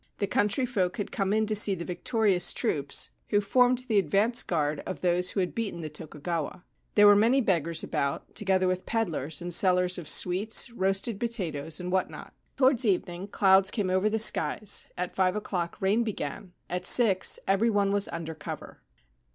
The country folk had come in to see the victorious troops, who formed the advance guard of those who had beaten the Tokugawa. There were many beggars about, together with pedlars and sellers of sweets, roasted potatoes, and what not. To wards evening clouds came over the skies ; at five o'clock rain began ; at six every one was under cover.